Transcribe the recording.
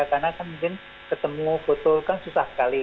karena kan mungkin ketemu foto kan susah sekali